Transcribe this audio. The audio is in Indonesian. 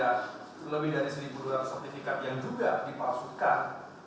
kalau benar benar tadi ada lebih dari satu dua ratus sertifikat yang juga dipasukkan